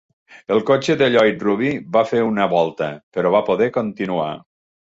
El cotxe de Lloyd Ruby va fer una volta, però va poder continuar.